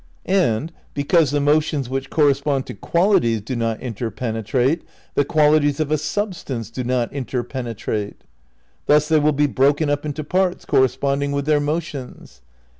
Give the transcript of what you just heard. And (because the motions which correspond to qual ities do not interpenetrate) : "The qualities of a sub stance do not interpenetrate." Thus they will be broken up into parts corresponding with their motions.